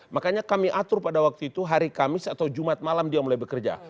makanya kami atur pada waktu itu hari kamis atau jumat malam dia mulai bekerja